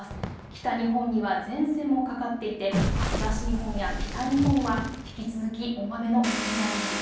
北日本には前線もかかっていて東日本や北日本は引き続き大雨のおそれがあります。